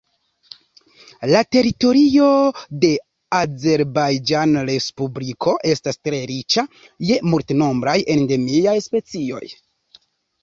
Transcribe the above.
La teritorio de la Azerbajĝana Respubliko estas tre riĉa je multnombraj endemiaj specioj.